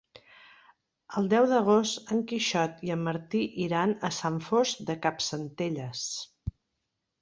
El deu d'agost en Quixot i en Martí iran a Sant Fost de Campsentelles.